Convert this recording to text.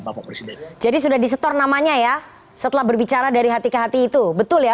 bapak presiden jadi sudah disetor namanya ya setelah berbicara dari hati ke hati itu betul ya